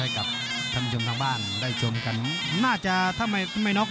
กับท่านผู้ชมทางบ้านได้ชมกันน่าจะถ้าไม่ไม่น็อก